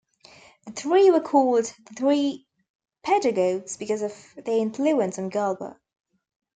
The three were called "the three pedagogues" because of their influence on Galba.